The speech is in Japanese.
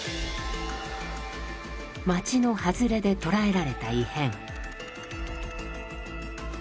町の外れで捉えられた異変。